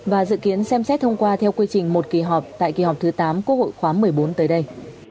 và dự kiến xem xét thông qua theo quy trình một kỳ họp tại kỳ họp thứ tám quốc hội khóa một mươi bốn tới đây